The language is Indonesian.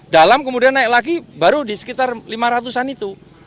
dalam kemudian naik lagi baru di sekitar lima ratus an itu